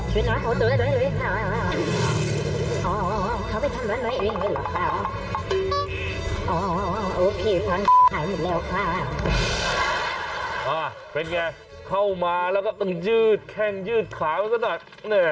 เป็นอย่างไรเข้ามาแล้วก็ต้องยืดแข้งยืดขาไว้ก็ได้